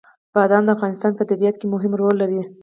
بادام د افغانستان په طبیعت کې مهم رول لري.